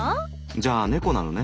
じゃあネコなのね。